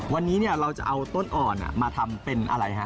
วันนี้เราจะเอาต้นอ่อนมาทำเป็นอะไรฮะ